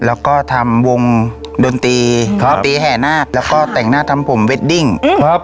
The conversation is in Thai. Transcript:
แล้วก็ทำวงดนตรีครับดนตรีแห่นาคแล้วก็แต่งหน้าทำผมเวดดิ้งครับ